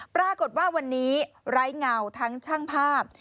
ปรากฏว่าวันนี้ไร้เงาทั้งช่างภาพ